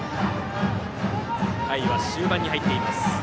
回は終盤に入っています。